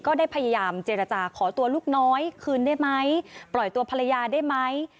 ก็ได้พยายามเจรจาขอตัวลูกน้อยคืนได้ไหมปล่อยตัวภรรยาได้ไหม